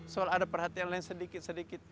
soal ada perhatian lain sedikit sedikit